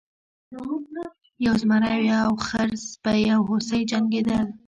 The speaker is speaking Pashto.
یو زمری او یو خرس په یو هوسۍ جنګیدل.